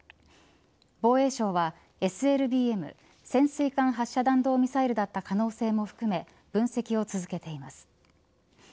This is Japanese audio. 防衛省はＳＬＢＭ潜水艦発射弾道ミサイルだった可能性も含め分析を続けています。